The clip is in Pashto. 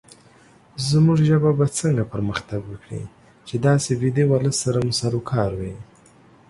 زمونږ ژبه به څنګه پرمختګ وکړې، چې داسې ويده ولس سره مو سروکار وي